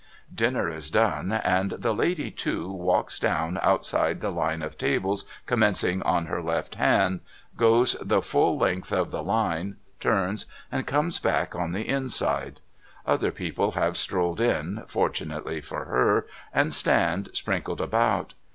Dinner is done, and the lady, too, walks down outside the line of tables commencing on her left hand, goes the whole length of the line, turns, and comes back on the inside. Other people have strolled in, fortunately for her, and stand sprinkled about.